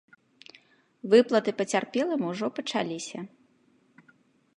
Выплаты пацярпелым ужо пачаліся.